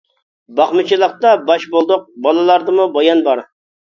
باقمىچىلىقتا باش بولدۇق، بالىلاردىمۇ بايان بار.